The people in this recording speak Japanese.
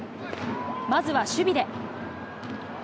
まずは守備で。